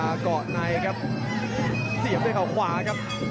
ไอ้ถูกเมาสมวงเต็มเสียบด้วยเข้าขวาครับ